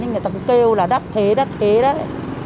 thì người ta cứ kêu là đắt thế đắt thế đấy